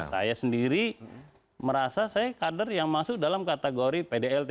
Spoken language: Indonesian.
saya sendiri merasa saya kader yang masuk dalam kategori pdlt